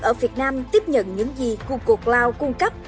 ở việt nam tiếp nhận những gì google cloud cung cấp